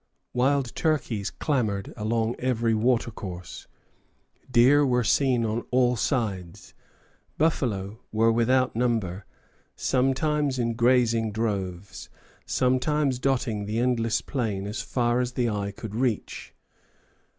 Wild turkeys clamored along every watercourse; deer were seen on all sides, buffalo were without number, sometimes in grazing droves, and sometimes dotting the endless plain as far as the eye could reach.